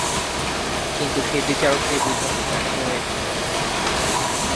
কিন্তু সে বিচারককে বোঝাতে ব্যর্থ হয়েছিল।